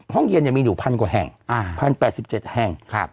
ห้องเย็นยังมีหนู๑๐๐๐กว่าแห่ง๑๐๐๐แห่ง๘๗แห่ง